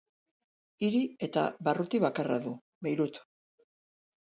Hiri eta barruti bakarra du: Beirut.